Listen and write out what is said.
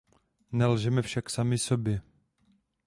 Nelžeme však sami sobě.